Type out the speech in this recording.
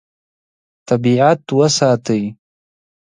طبیعت وساتي.